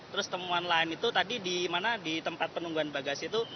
terus temuan lain itu tadi di mana di tempat penungguan bagasi itu